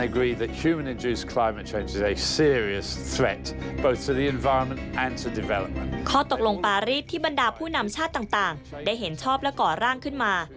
ข้อตกลงปารีสที่บรรดาผู้นำชาติต่างได้เห็นชอบและก่อร่างขึ้นมา